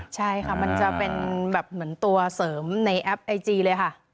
ใช่ค่ะมันจะเป็นแบบเหมือนตัวเสริมในแอปไอจีเลยค่ะ